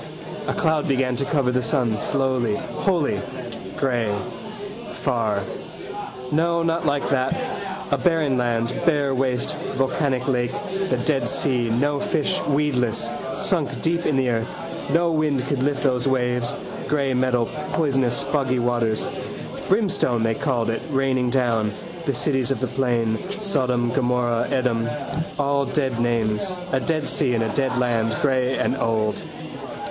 A cloud began to cover the sun slowly, wholly. Grey. Far. No, not like that. A barren land, bare waste. Vulcanic lake, the dead sea: no fish, weedless, sunk deep in the earth. No wind could lift those waves, grey metal, poisonous foggy waters. Brimstone they called it raining down: the cities of the plain: Sodom, Gomorrah, Edom. All dead names. A dead sea in a dead land, grey and old.